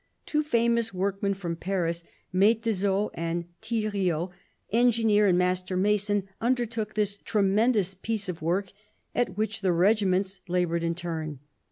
Two famous workmen from Paris, Metezeau and Tiriot, engineer and master mason, undertook this tremendous piece of work, at which the regiments laboured in turn.